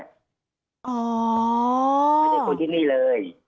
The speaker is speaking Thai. ไม่ได้คนที่นี่เลย